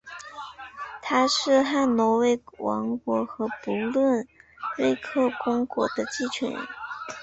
他是汉诺威王国和不伦瑞克公国的继承人。